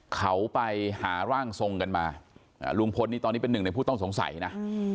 เขาไปหาร่างทรงกันมาลุงพลนี่ตอนนี้เป็นหนึ่งในผู้ต้องสงสัยนะ